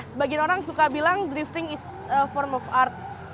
sebagian orang suka bilang drifting is form of art